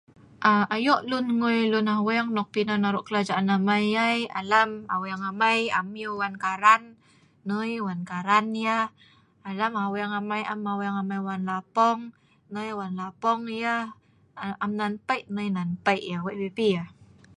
Aa ayok lun ngan lun aweng nok pi arok kelajaan amai yai.. alam..aweng amai am yah wan karan, noi wan karan yah, alam aweng amai am wan lapong, noi wan lapong yah, aa am nan pei' noi nan pei' yah wei' pipi yah.